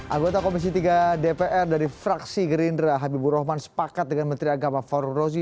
anggota komisi tiga dpr dari fraksi gerindra habibur rahman sepakat dengan menteri agama farul rozi